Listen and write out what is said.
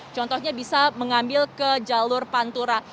contohnya bisa mengambil ke jalur pantura